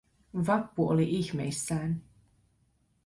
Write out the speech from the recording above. Vappu oli ihmeissään.